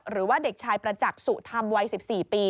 หรือว่าเด็กชายประจักษ์สุธรรมวัย๑๔ปี